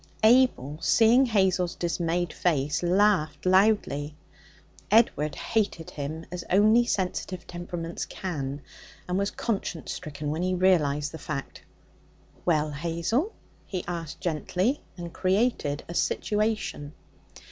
Abel, seeing Hazel's dismayed face, laughed loudly. Edward hated him as only sensitive temperaments can, and was conscience stricken when he realized the fact. 'Well, Hazel?' he asked gently, and created a situation.